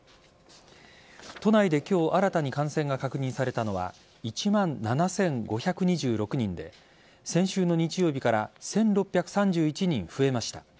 都内で今日新たに感染が確認されたのは１万７５２６人で先週の日曜日から１６３１人増えました。